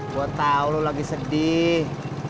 gue tau lo lagi sedih